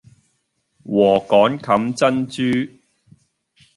禾稈冚珍珠